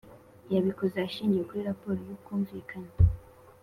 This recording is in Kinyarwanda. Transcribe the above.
Yabikoze ashingiye kuri raporo y’ubwumvikane